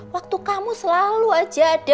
waktu kamu selalu aja ada